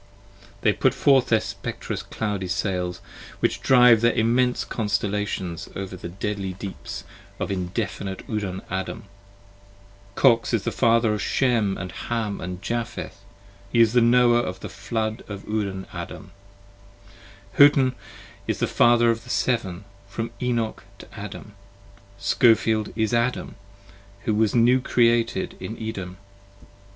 They put forth their spectrous cloudy sails; which drive their immense Constellations over the deadly deeps of indefinite Udan Adan. Kox is the Father of Shem & Ham & Japheth, he is the Noah Of the Flood of Udan Adan. Hutn is the Father of the Seven 25 From Enoch to Adam: Schofield is Adam who was New Created in Edom.